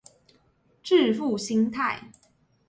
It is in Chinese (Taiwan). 致富心態